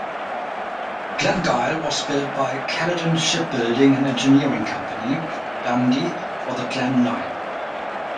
"Glengyle" was built by Caledon Shipbuilding and Engineering Company, Dundee, for the Glen Line.